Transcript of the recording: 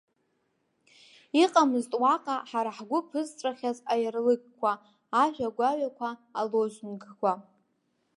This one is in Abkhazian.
Иҟамызт уаҟа ҳара ҳгәы ԥызҵәахьаз аиарлыкқәа, ажәа гәаҩақәа, алозунгқәа.